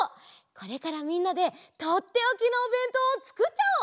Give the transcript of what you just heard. これからみんなでとっておきのおべんとうをつくっちゃおう！